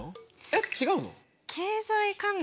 えっ違うの？